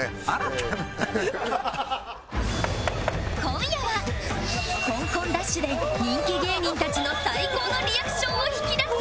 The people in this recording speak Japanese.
今夜はコンコンダッシュで人気芸人たちの最高のリアクションを引き出す